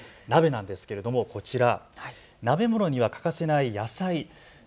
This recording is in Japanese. その鍋なんですけれどもこちら、鍋物には欠かせない野菜。